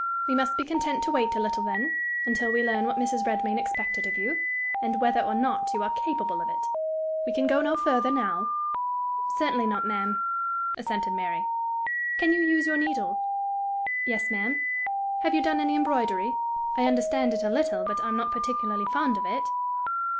We must be content to wait a little, then until we learn what Mrs. Redmain expected of you, and whether or not you are capable of it. We can go no further now." "Certainly not, ma'am," assented Mary. "Can you use your needle?" "Yes, ma'am." "Have you done any embroidery?" "I understand it a little, but I am not particularly fond of it."